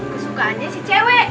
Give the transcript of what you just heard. kesukaannya si cewe